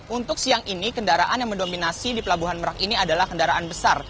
untuk siang ini kendaraan yang mendominasi di pelabuhan merak ini adalah kendaraan besar